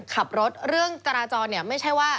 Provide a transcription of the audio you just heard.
ขับรถเรื่องจราจรเนี่ยไม่ใช่ว่า